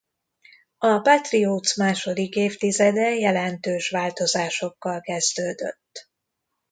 A Patriots második évtizede jelentős változásokkal kezdődött.